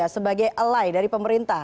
sebagai ally dari pemerintah